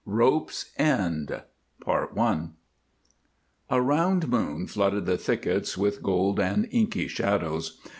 ROPE'S END I A round moon flooded the thickets with gold and inky shadows.